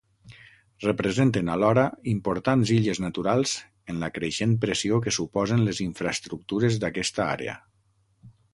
Representen, alhora, importants illes naturals en la creixent pressió que suposen les infraestructures d'aquesta àrea.